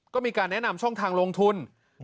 ก็มีการแนะนำช่องทางลงทุน